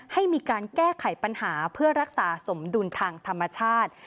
ให้มีการแก้ไขปัญหาเพื่อรักษาสมดุลทางธรรมชาติ